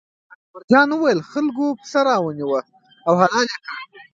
اکبر جان وویل: خلکو پسه را ونیوه او حلال یې کړ.